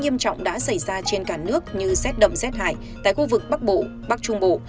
nghiêm trọng đã xảy ra trên cả nước như xét đậm xét hải tại khu vực bắc bộ bắc trung bộ